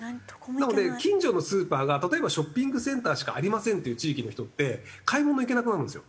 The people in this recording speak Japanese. なので近所のスーパーが例えばショッピングセンターしかありませんっていう地域の人って買い物行けなくなるんですよ